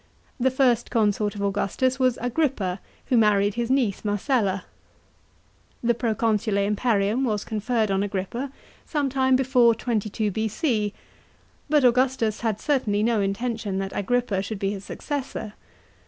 The first consort of Augustus was Agrippa, who married his niece Marcella. The proconsular imperium was conferred on Agrippa, some time before 22 B.C., but Augustus had certainly no intention that Agrippa should be his successor.